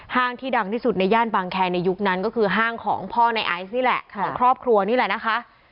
ที่ดังที่สุดในย่านบางแคร์ในยุคนั้นก็คือห้างของพ่อในไอซ์นี่แหละของครอบครัวนี่แหละนะคะ